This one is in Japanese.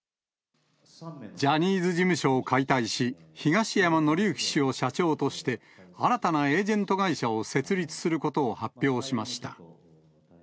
ジャニーズ事務所を解体し、東山紀之氏を社長として、新たなエージェント会社を設立することを発表しました。